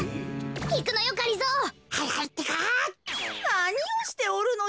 なにをしておるのじゃ。